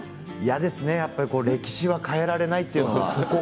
嫌ですね、歴史は変えられないというのは。